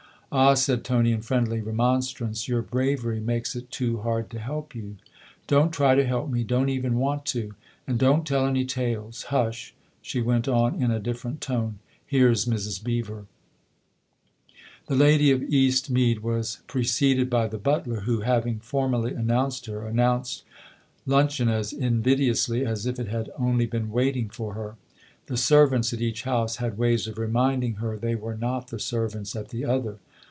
" Ah," said Tony in friendly remonstrance, "your bravery makes it too hard to help you !"" Don't try to help me don't even want to. And don't tell any tales. Hush !" she went on in a different tone. " Here's Mrs. Beever !" The lady of Eastmead was preceded by the butler, who, having formally announced her, announced luncheon as invidiously as if it had only been waiting for her. The servants at each house had ways of reminding her they were not the servants at the other.